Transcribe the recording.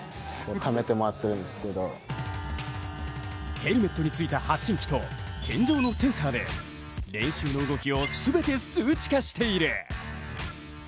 ヘルメットについた発信機と天井のセンサーで練習の動きを全て数値化している。